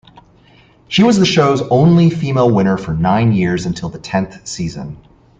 She was the show's only female winner for nine years until the tenth season.